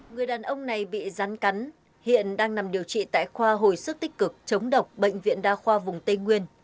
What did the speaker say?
người đàn ông này bị rắn cắn hiện đang nằm điều trị tại khoa hồi sức tích cực chống độc bệnh viện đa khoa vùng tây nguyên